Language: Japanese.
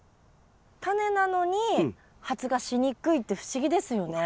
タネなのに発芽しにくいって不思議ですよね。